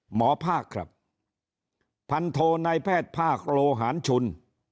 หมอภาคครับพันโทนายแพทย์ภาคโลหารชุน